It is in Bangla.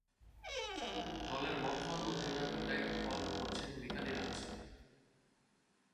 দলের বর্তমান অধিনায়কের দায়িত্ব পালন করছেন মিতালী রাজ।